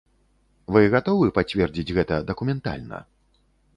Вы гатовы пацвердзіць гэта дакументальна?